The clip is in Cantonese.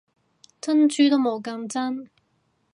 珍珠都冇咁真